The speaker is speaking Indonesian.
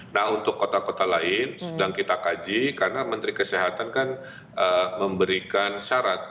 nah untuk kota kota lain sedang kita kaji karena menteri kesehatan kan memberikan syarat